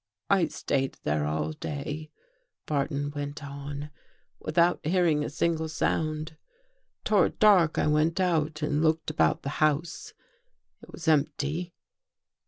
" I stayed there all day," Barton went on, " with out hearing a single sound. Toward dark I went out and looked about the house. It was empty.